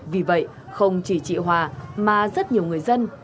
vì vậy không chỉ chị hòa mà rất nhiều người dân